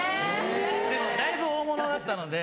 だいぶ大物だったので。